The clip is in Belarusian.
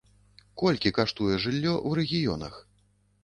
Колькі каштуе жыллё ў рэгіёнах?